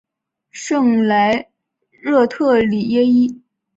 圣莱热特里耶伊。